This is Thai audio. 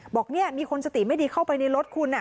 บอกเนี่ยมีคนสติไม่ดีเข้าไปในรถคุณ